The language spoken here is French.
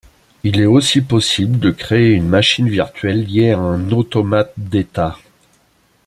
Il est aussi possible de créer une machine virtuelle lié à un automate d’état.